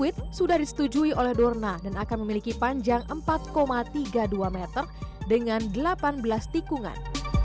kuit sudah disetujui oleh dorna dan akan memiliki panjang empat tiga puluh dua meter dengan delapan belas tikungan